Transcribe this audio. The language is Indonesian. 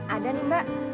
ada nih mbak